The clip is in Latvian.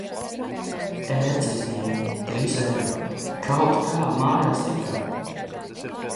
Ērci izņēma. Trīs eiro. Kaut kā mājās tikām.